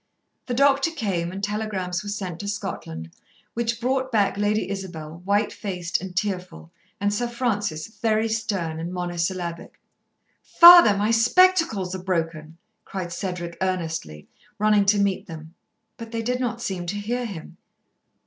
The doctor came and telegrams were sent to Scotland, which brought back Lady Isabel, white faced and tearful, and Sir Francis, very stern and monosyllabic. "Father, my spectacles are broken," cried Cedric earnestly, running to meet them, but they did not seem to hear him.